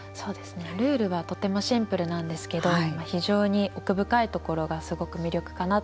ルールはとてもシンプルなんですけど非常に奥深いところがすごく魅力かなと思っていて。